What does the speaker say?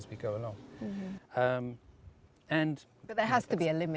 sementara kita berjalan